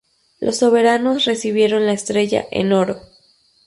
Los soberanos recibieron la estrella en oro.